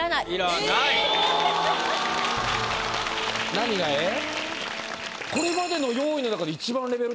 何が「えぇ」？